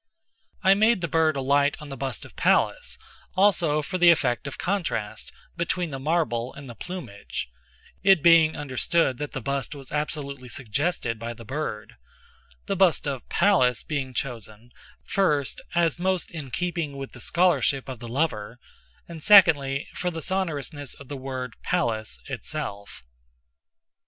I made the bird alight on the bust of Pallas, also for the effect of contrast between the marble and the plumage—it being understood that the bust was absolutely suggested by the bird—the bust of Pallas being chosen, first, as most in keeping with the scholarship of the lover, and, secondly, for the sonorousness of the word, Pallas, itself.